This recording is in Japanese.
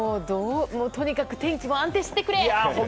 とにかく天気も安定してくれ！